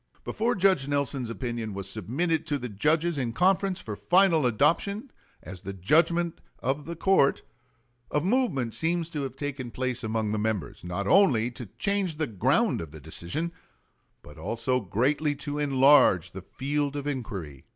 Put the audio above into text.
Before Judge Nelson's opinion was submitted to the judges in conference for final adoption as the judgment of the court a movement seems to have taken place among the members, not only to change the ground of the decision, but also greatly to enlarge the field of inquiry.